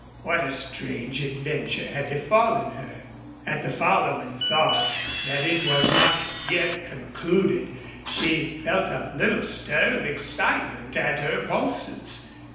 What a strange adventure had befallen her! At the following thought that it was not yet concluded she felt a little stir of excitement at her pulses.